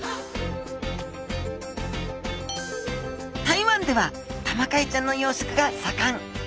台湾ではタマカイちゃんの養殖がさかん。